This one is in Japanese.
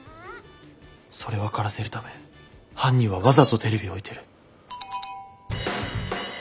それ分からせるため犯人はわざとテレビを置いてる。